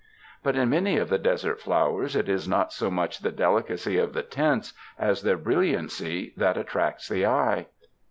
But in many of the desert flowers it is not so much the delicacy of the tints, as their brilliancy that attracts the eye.